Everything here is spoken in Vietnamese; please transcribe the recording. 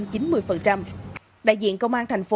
đại diện công an tp hcm đã đồng ý với công an tp hcm